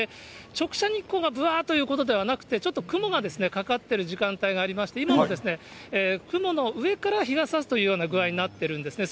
直射日光がぶわーっということではなくて、ちょっと雲がかかってる時間帯がありまして、今も雲の上から日がさすというような具合になってるんですね。